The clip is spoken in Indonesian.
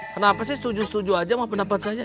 kenapa sih setuju setuju aja sama pendapat saya